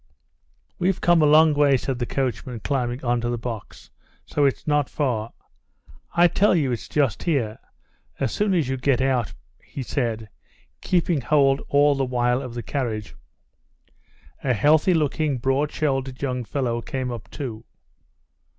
"We've come a long way," said the coachman, climbing onto the box. "So it's not far?" "I tell you, it's just here. As soon as you get out...." he said, keeping hold all the while of the carriage. A healthy looking, broad shouldered young fellow came up too.